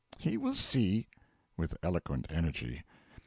He will see. (With eloquent energy.)